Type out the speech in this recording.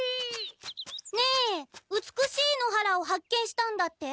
ねえ美しい野原を発見したんだって？